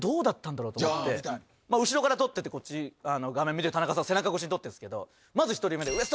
後ろから撮っててこっち画面見てる田中さんを背中越しに撮ってるんですけどまず１人目で。